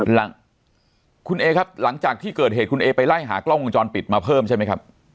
หลังคุณเอครับหลังจากที่เกิดเหตุคุณเอไปไล่หากล้องวงจรปิดมาเพิ่มใช่ไหมครับ